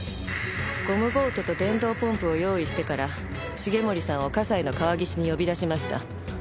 ゴムボートと電動ポンプを用意してから重森さんを西の川岸に呼び出しました。